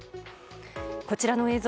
こちらの映像